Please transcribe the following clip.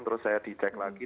terus saya di check lagi